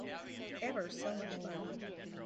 Ever so much fun.